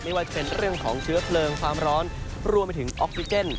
ไม่ว่าจะเป็นเรื่องของเชื้อเพลิงความร้อนรวมไปถึงออกซิเจน